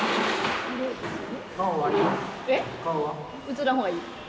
映らん方がいい。